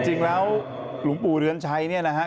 จริงแล้วหลวงปู่เดือนชัยเนี่ยนะครับ